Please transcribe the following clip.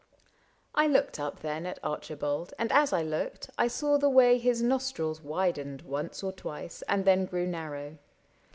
— I looked up then At Archibald, and as I looked I saw The way his nostrils widened once or twice And then grew narrow.